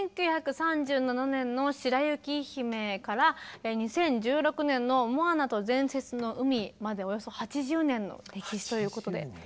１９３７年の「白雪姫」から２０１６年の「モアナと伝説の海」までおよそ８０年の歴史ということで。